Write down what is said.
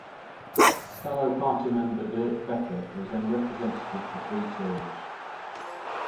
Fellow party member Dirk Becker was then representative for three terms.